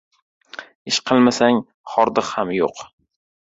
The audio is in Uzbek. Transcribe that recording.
• Ish qilmasang, xordiq ham yo‘q.